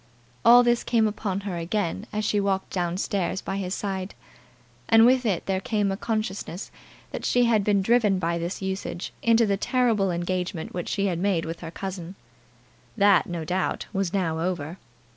All this came upon her again as she walked down stairs by his side; and with it there came a consciousness that she had been driven by this usage into the terrible engagement which she had made with her cousin. That, no doubt, was now over.